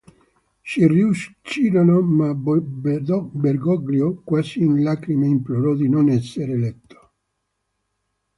Ci riuscirono, ma Bergoglio, "quasi in lacrime", implorò di non essere eletto.